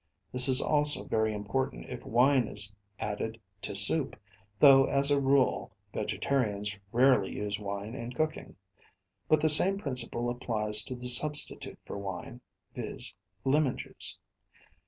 This is also very important if wine is added to soup, though, as a rule, vegetarians rarely use wine in cooking; but the same principle applies to the substitute for wine viz., lemon juice.